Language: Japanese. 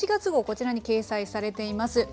こちらに掲載されています。